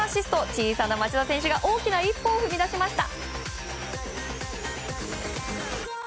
小さな町田選手が大きな一歩を踏み出しました。